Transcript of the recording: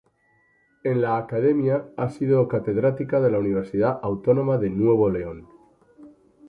En la academia, ha sido Catedrática de la Universidad Autónoma de Nuevo León.